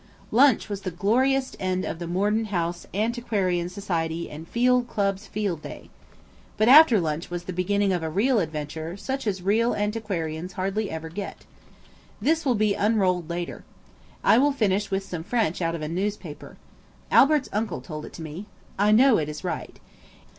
Lunch was the glorious end of the Morden House Antiquarian Society and Field Club's Field Day. But after lunch was the beginning of a real adventure such as real antiquarians hardly ever get. This will be unrolled later. I will finish with some French out of a newspaper. Albert's uncle told it me, so I know it is right.